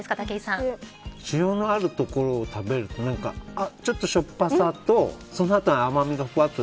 塩のあるところを食べるとちょっとしょっぱさとそのあとに甘みがふわっと。